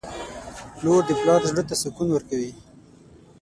• لور د پلار زړه ته سکون ورکوي.